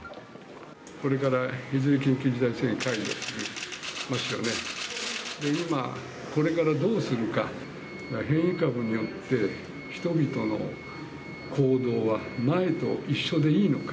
これから、いずれ緊急事態宣言解除しますよね、で、今、これからどうするか、変異株によって人々の行動は前と一緒でいいのか。